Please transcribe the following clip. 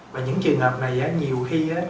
và những trường hợp này nhiều khi